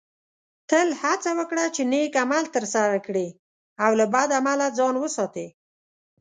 تل هڅه وکړه چې نیک عمل ترسره کړې او له بد عمله ځان وساتې